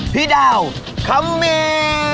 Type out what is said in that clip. พี่ดาวคัมมิน